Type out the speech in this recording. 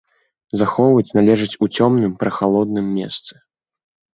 Захоўваць належыць у цёмным прахалодным месцы.